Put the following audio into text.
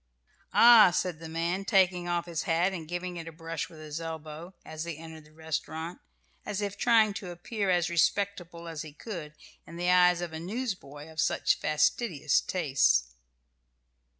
"Ah!" said the man, taking off his hat, and giving it a brush with his elbow, as they entered the restaurant, as if trying to appear as respectable as he could in the eyes of a newsboy of such fastidious tastes.